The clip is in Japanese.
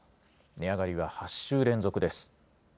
値上がりは８週連続です。